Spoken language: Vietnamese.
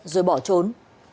rồi bỏ trốn